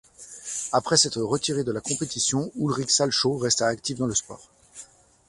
Après s'être retiré de la compétition, Ulrich Salchow resta actif dans le sport.